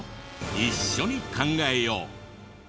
一緒に考えよう。